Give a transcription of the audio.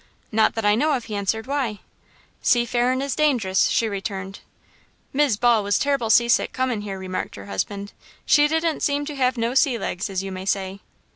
"Not that I know of," he answered, "why?" "Sea farin' is dangerous," she returned. "Mis' Ball was terrible sea sick comin' here," remarked her husband. "She didn't seem to have no sea legs, as you may say."